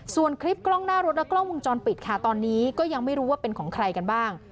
ส่วนคลิปกล้องหน้ารถและกล้องวงจรปิดค่ะตอนนี้ก็ยังไม่รู้ว่าเป็นของใครกันบ้าง